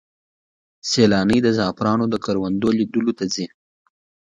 سیلانۍ د زعفرانو د کروندو لیدلو ته ځي.